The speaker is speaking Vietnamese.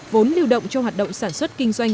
vốn lưu động cho hoạt động sản xuất kinh doanh